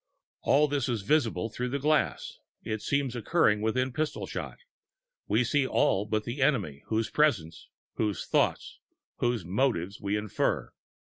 All this is visible through the glass; it seems occurring within pistol shot; we see all but the enemy, whose presence, whose thoughts, whose motives we infer.